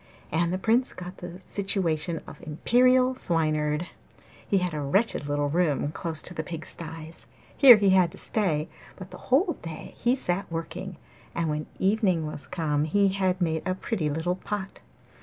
And the Prince got the situation of Imperial Swineherd. He had a wretched little room close to the pigsties; here he had to stay, but the whole day he sat working, and when evening was come he had made a pretty little pot.